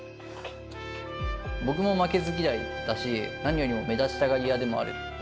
僕も負けず嫌いだし、何よりも目立ちたがり屋でもある。